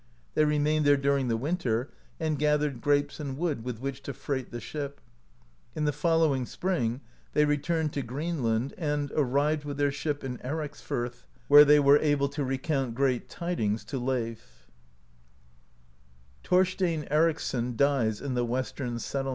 They remained there during the winter, and gathered grapes and wood with which to freight the ship. In the following spring they return ed to Greenland, and arrived with their ship in Ericsfirth, where they were able to recount great tidings to Leif. THORSTHIN ERICSSON DIES IN THE WESTERN SETTI.